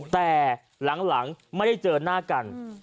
แต่หลังไม่ได้เจอหน้ากัน